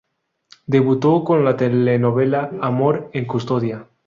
Debutó con la telenovela "Amor en custodia".